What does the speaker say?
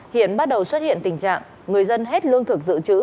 hiện bắt đầu xuất hiện tình trạng người dân hết lương thực dự trữ